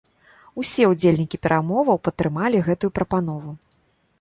Усе ўдзельнікі перамоваў падтрымалі гэтую прапанову.